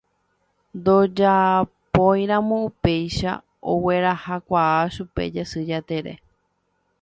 Ndojapóiramo upéicha oguerahakuaa chupe Jasy Jatere.